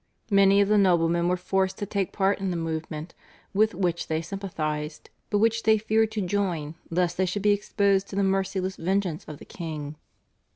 Many of the noblemen were forced to take part in the movement, with which they sympathised, but which they feared to join lest they should be exposed to the merciless vengeance of the king.